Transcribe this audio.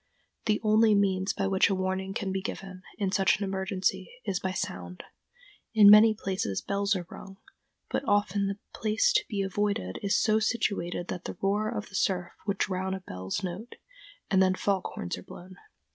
The only means by which a warning can be given, in such an emergency, is by sound. In many places bells are rung, but often the place to be avoided is so situated that the roar of the surf would drown a bell's note, and then fog horns are blown.